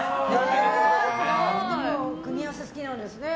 組み合わせ好きなんですね。